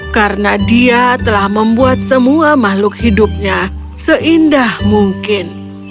karena dia telah membuat semua makhluk hidupnya seindah mungkin